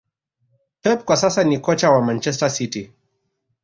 pep kwa sasa ni kocha wa Manchester City